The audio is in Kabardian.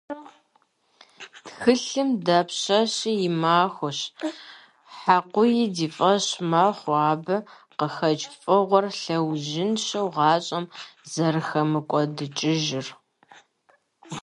Тхылъым дапщэщи и махуэщ, хьэкъыуи ди фӏэщ мэхъу абы къыхэкӏ фӏыгъуэр лъэужьыншэу гъащӏэм зэрыхэмыкӏуэдыкӏыжыр.